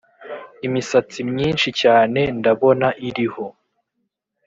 imisatsi myinshi cyane ndabona, iriho